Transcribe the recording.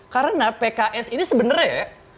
karena pks ini sebenernya